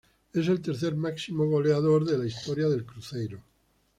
Es el tercer máximo goleador de la historia del Cruzeiro.